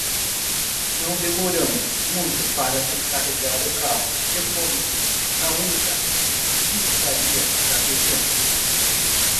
Não demoramos muito para descarregar o carro e fomos na única pizzaria da região.